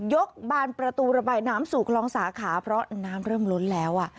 บานประตูระบายน้ำสู่คลองสาขาเพราะน้ำเริ่มล้นแล้ว